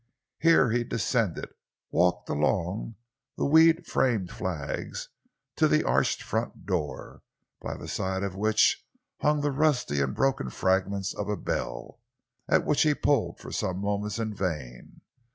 Here he descended, walked along the weed framed flags to the arched front door, by the side of which hung the rusty and broken fragments of a bell, at which he pulled for some moments in vain.